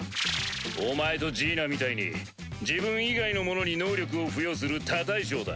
お前とジーナみたいに自分以外のものに能力を付与する他対象だ。